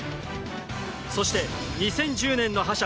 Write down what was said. そして２０１０年の覇者